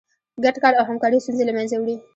ګډ کار او همکاري ستونزې له منځه وړي.